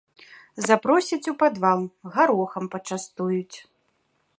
Запросяць у падвал, гарохам пачастуюць.